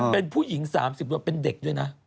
เป็นผู้หญิง๓๐แล้วเป็นเด็กด้วยนะ